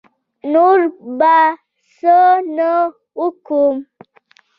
نور به څه نه کووم.